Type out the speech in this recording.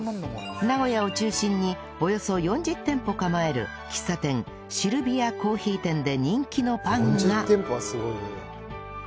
名古屋を中心におよそ４０店舗構える喫茶店支留比亜珈琲店で人気のパンが